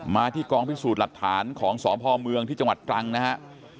มาที่กองพิสูจน์หลักฐานของสพเมืองที่จังหวัดตรังนะฮะ